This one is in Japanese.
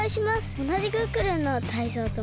おなじクックルンのタイゾウとマイカです。